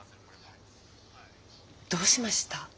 どうしました？